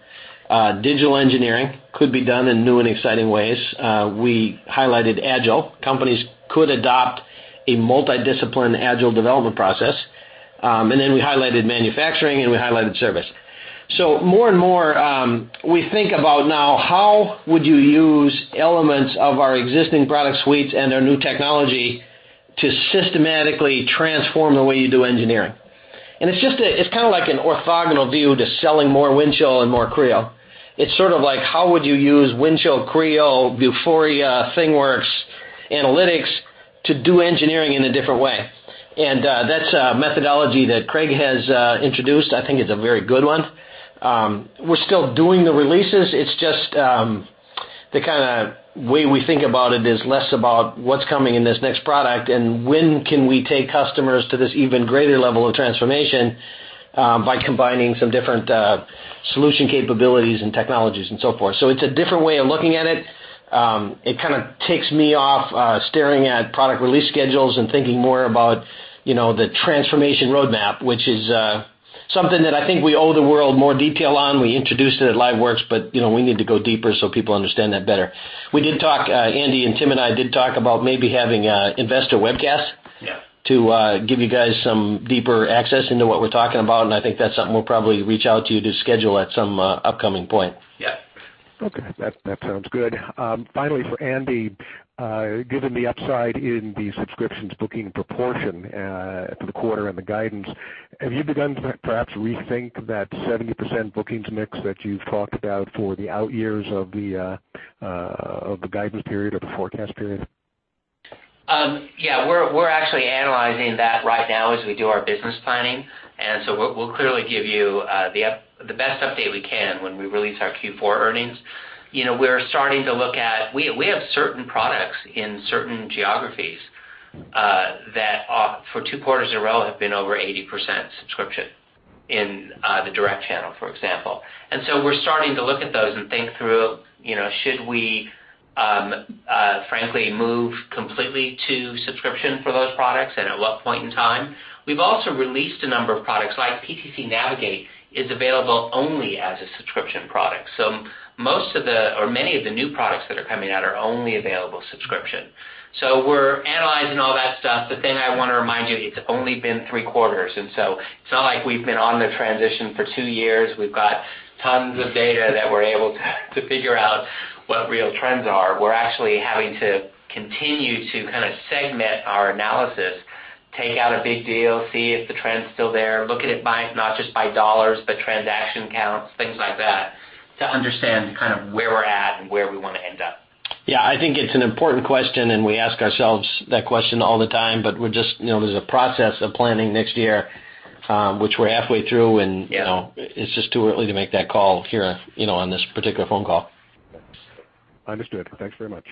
Digital engineering could be done in new and exciting ways. We highlighted Agile. Companies could adopt a multi-discipline Agile development process. Then we highlighted manufacturing, and we highlighted service. More and more, we think about now how would you use elements of our existing product suites and our new technology to systematically transform the way you do engineering. It's kind of like an orthogonal view to selling more Windchill and more Creo. It's sort of like, how would you use Windchill, Creo, Vuforia, ThingWorx, Analytics to do engineering in a different way? That's a methodology that Craig has introduced. I think it's a very good one. We're still doing the releases. It's just the kind of way we think about it is less about what's coming in this next product and when can we take customers to this even greater level of transformation by combining some different solution capabilities and technologies and so forth. It's a different way of looking at it. It kind of takes me off staring at product release schedules and thinking more about the transformation roadmap, which is something that I think we owe the world more detail on. We introduced it at LiveWorx, but we need to go deeper so people understand that better. We did talk, Andy and Tim and I did talk about maybe having an investor webcast. Yeah to give you guys some deeper access into what we're talking about, and I think that's something we'll probably reach out to you to schedule at some upcoming point. Yeah. Okay. That sounds good. Finally, for Andy, given the upside in the subscriptions booking proportion for the quarter and the guidance, have you begun to perhaps rethink that 70% bookings mix that you've talked about for the out years of the guidance period or the forecast period? Yeah. We're actually analyzing that right now as we do our business planning. We'll clearly give you the best update we can when we release our Q4 earnings. We have certain products in certain geographies that for two quarters in a row have been over 80% subscription in the direct channel, for example. We're starting to look at those and think through, should we frankly move completely to subscription for those products, and at what point in time? We've also released a number of products, like PTC Navigate is available only as a subscription product. Many of the new products that are coming out are only available subscription. We're analyzing all that stuff, I want to remind you, it's only been three quarters. It's not like we've been on the transition for two years. We've got tons of data that we're able to figure out what real trends are. We're actually having to continue to kind of segment our analysis, take out a big deal, see if the trend's still there, look at it not just by dollars, but transaction counts, things like that, to understand where we're at and where we want to end up. Yeah, I think it's an important question, we ask ourselves that question all the time, there's a process of planning next year, which we're halfway through. Yeah It's just too early to make that call here on this particular phone call. Understood. Thanks very much.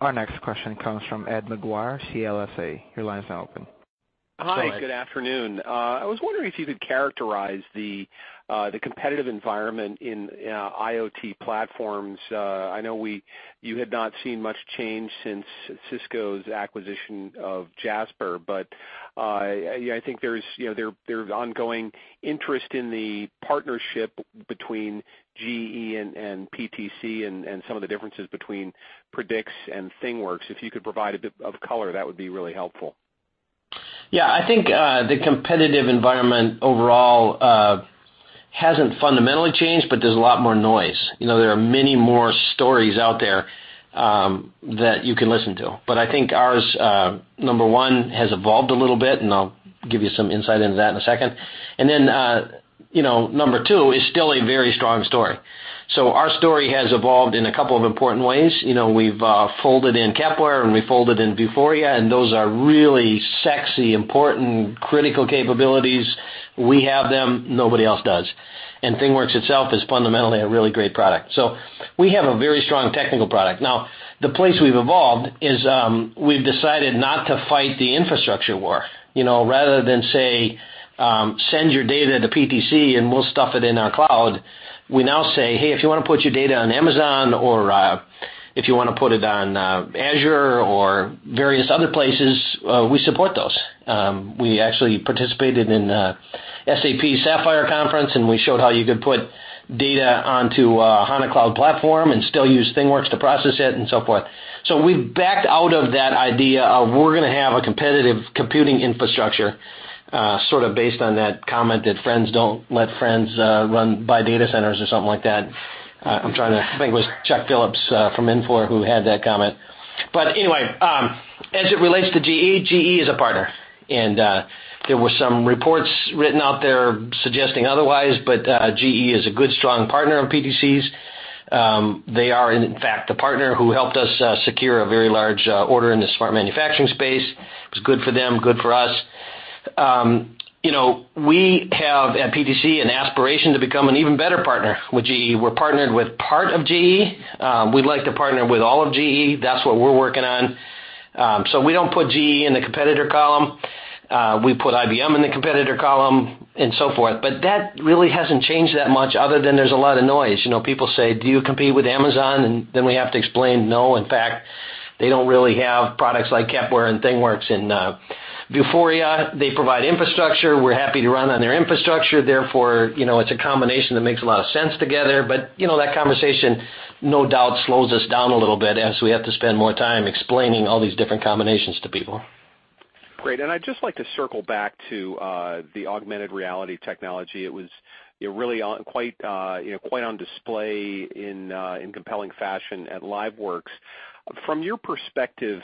Our next question comes from Ed Maguire, CLSA. Your line's now open. Go ahead. Hi, good afternoon. I was wondering if you could characterize the competitive environment in IoT platforms. I know you had not seen much change since Cisco's acquisition of Jasper, but I think there's ongoing interest in the partnership between GE and PTC and some of the differences between Predix and ThingWorx. If you could provide a bit of color, that would be really helpful. I think the competitive environment overall hasn't fundamentally changed, there's a lot more noise. There are many more stories out there that you can listen to. I think ours, number one, has evolved a little bit, and I'll give you some insight into that in a second. Number two, it's still a very strong story. Our story has evolved in a couple of important ways. We've folded in Kepware, and we folded in Vuforia, and those are really sexy, important, critical capabilities We have them, nobody else does. ThingWorx itself is fundamentally a really great product. We have a very strong technical product. Now, the place we've evolved is we've decided not to fight the infrastructure war. Rather than say, "Send your data to PTC and we'll stuff it in our cloud," we now say, "Hey, if you want to put your data on Amazon or if you want to put it on Azure or various other places, we support those." We actually participated in SAP Sapphire Conference, and we showed how you could put data onto a HANA cloud platform and still use ThingWorx to process it and so forth. We've backed out of that idea of we're going to have a competitive computing infrastructure, sort of based on that comment that friends don't let friends run by data centers or something like that. I think it was Chuck Phillips from Infor who had that comment. Anyway, as it relates to GE is a partner. There were some reports written out there suggesting otherwise, but GE is a good, strong partner of PTC's. They are in fact the partner who helped us secure a very large order in the smart manufacturing space. It was good for them, good for us. We have at PTC an aspiration to become an even better partner with GE. We're partnered with part of GE. We'd like to partner with all of GE. That's what we're working on. We don't put GE in the competitor column. We put IBM in the competitor column and so forth. That really hasn't changed that much other than there's a lot of noise. People say, "Do you compete with Amazon?" Then we have to explain, no. In fact, they don't really have products like Kepware and ThingWorx and Vuforia. They provide infrastructure. We're happy to run on their infrastructure. It's a combination that makes a lot of sense together. That conversation no doubt slows us down a little bit as we have to spend more time explaining all these different combinations to people. Great, I'd just like to circle back to the augmented reality technology. It was really quite on display in compelling fashion at LiveWorx. From your perspective,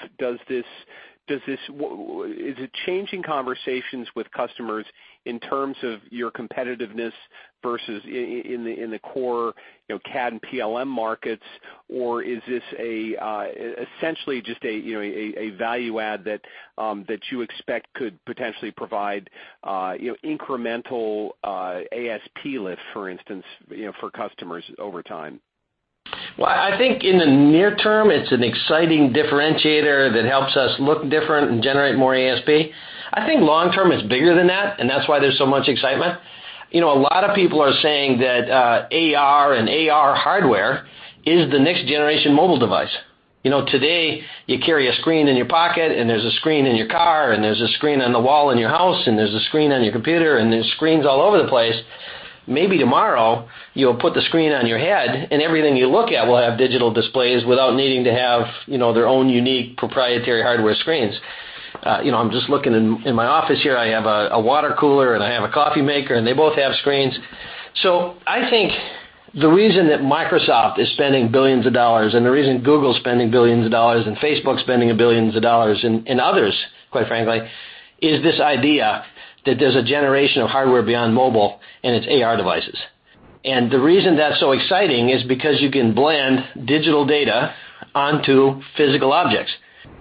is it changing conversations with customers in terms of your competitiveness versus in the core CAD and PLM markets, or is this essentially just a value add that you expect could potentially provide incremental ASP lift, for instance, for customers over time? Well, I think in the near term, it's an exciting differentiator that helps us look different and generate more ASP. I think long term it's bigger than that's why there's so much excitement. A lot of people are saying that AR and AR hardware is the next-generation mobile device. Today, you carry a screen in your pocket, there's a screen in your car, there's a screen on the wall in your house, there's a screen on your computer, there's screens all over the place. Maybe tomorrow, you'll put the screen on your head, everything you look at will have digital displays without needing to have their own unique proprietary hardware screens. I'm just looking in my office here. I have a water cooler, and I have a coffee maker, and they both have screens. I think the reason that Microsoft is spending billions of dollars, the reason Google's spending billions of dollars, Facebook's spending billions of dollars, and others, quite frankly, is this idea that there's a generation of hardware beyond mobile, it's AR devices. The reason that's so exciting is because you can blend digital data onto physical objects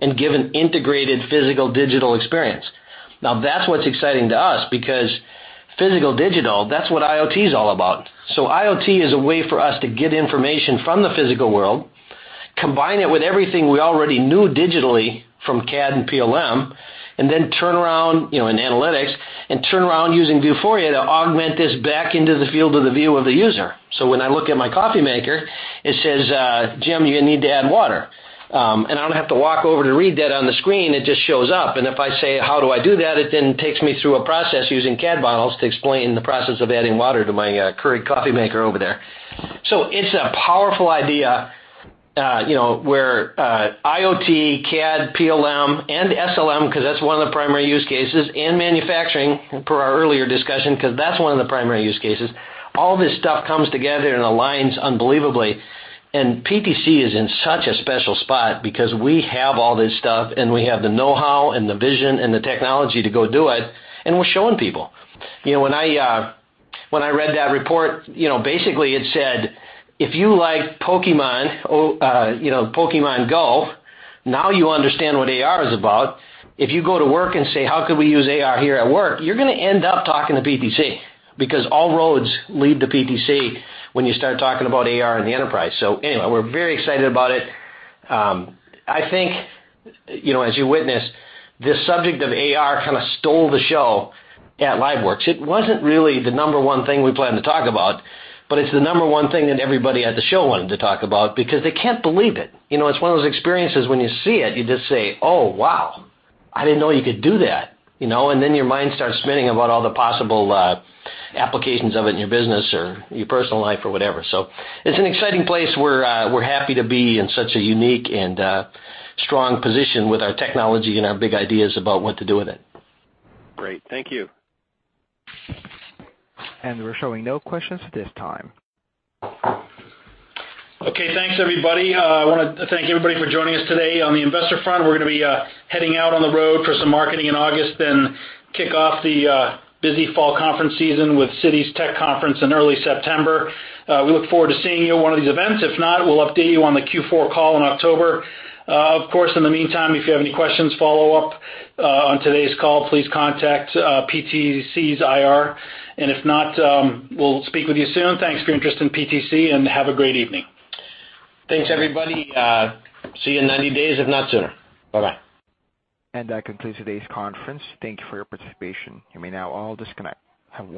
and give an integrated physical-digital experience. Now, that's what's exciting to us, because physical-digital, that's what IoT is all about. IoT is a way for us to get information from the physical world, combine it with everything we already knew digitally from CAD and PLM, then turn around, in analytics, and turn around using Vuforia to augment this back into the field of view of the user. When I look at my coffee maker, it says, "Jim, you need to add water." I don't have to walk over to read that on the screen. It just shows up. If I say, "How do I do that?" it then takes me through a process using CAD models to explain the process of adding water to my Keurig coffee maker over there. It's a powerful idea, where IoT, CAD, PLM, and SLM, because that's one of the primary use cases, and manufacturing, per our earlier discussion, because that's one of the primary use cases. All this stuff comes together and aligns unbelievably. PTC is in such a special spot because we have all this stuff, and we have the know-how and the vision and the technology to go do it, and we're showing people. When I read that report, basically it said, if you like Pokémon GO, now you understand what AR is about. If you go to work and say, "How could we use AR here at work?" you're going to end up talking to PTC, because all roads lead to PTC when you start talking about AR in the enterprise. Anyway, we're very excited about it. I think, as you witnessed, this subject of AR kind of stole the show at LiveWorx. It wasn't really the number one thing we planned to talk about, but it's the number one thing that everybody at the show wanted to talk about because they can't believe it. It's one of those experiences when you see it, you just say, "Oh, wow. I didn't know you could do that." Then your mind starts spinning about all the possible applications of it in your business or your personal life or whatever. It's an exciting place. We're happy to be in such a unique and strong position with our technology and our big ideas about what to do with it. Great. Thank you. We're showing no questions at this time. Okay, thanks everybody. I want to thank everybody for joining us today. On the investor front, we're going to be heading out on the road for some marketing in August, then kick off the busy fall conference season with Citi Tech Conference in early September. We look forward to seeing you at one of these events. If not, we'll update you on the Q4 call in October. Of course, in the meantime, if you have any questions, follow up on today's call, please contact PTC's IR. If not, we'll speak with you soon. Thanks for your interest in PTC, and have a great evening. Thanks, everybody. See you in 90 days, if not sooner. Bye-bye. That concludes today's conference. Thank you for your participation. You may now all disconnect. Have a good night.